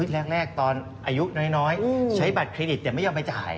แรกตอนอายุน้อยใช้บัตรเครดิตแต่ไม่ยอมไปจ่าย